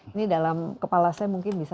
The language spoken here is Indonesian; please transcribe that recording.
ini dalam kepala saya mungkin bisa